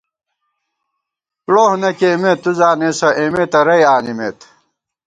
کݨوہ نہ کېئیمېت ، تُو زانېسہ اېمےتَرَئی آنِمېت